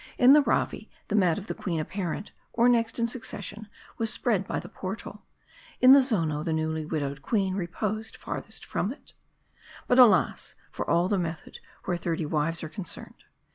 In the Ravi, the mat of 4he queen apparent, or next in succession, was spread by the portal. In the Zono, the newly widowed queen reposed furthest from it. But alas for all method where thirty wives are concern ed.